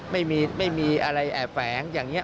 ไม่มีอะไรแอบแฝงอย่างนี้